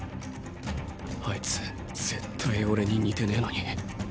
あいつ絶対オレに似てねぇのに。